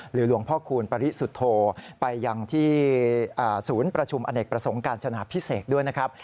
หลวงพ่อคูณปริสุทธโธไปยังที่ศูนย์ประชุมอเนกประสงค์การจนาพิเศษด้วยนะครับ